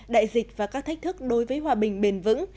đại dịch và các thách thức đối với hòa bình bền vững